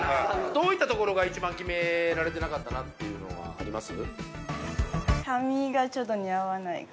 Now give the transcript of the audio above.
どういったところがキメられてなかったっていうのあります？